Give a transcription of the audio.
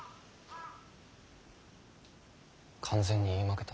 完全に言い負けた。